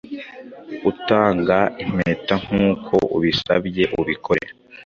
Utanga impetankuko ubinsabye ubikore